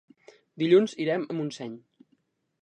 Dilluns irem a Montseny.